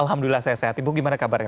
alhamdulillah saya sehat ibu gimana kabarnya